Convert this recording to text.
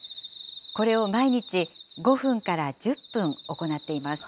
これを毎日５分から１０分行っています。